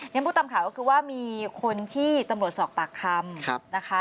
พูดตามข่าวก็คือว่ามีคนที่ตำรวจสอบปากคำนะคะ